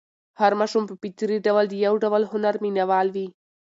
هر ماشوم په فطري ډول د یو ډول هنر مینه وال وي.